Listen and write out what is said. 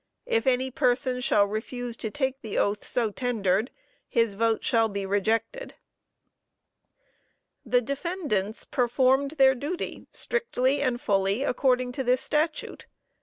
If any person shall refuse to take the oath so tendered, his vote shall be rejected." The defendants performed their duty strictly and fully according to the statute.